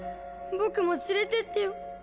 僕も連れてってよ。